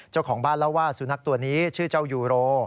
เจ้าของบ้านเล่าว่าสุนัขตัวนี้ชื่อเจ้ายูโร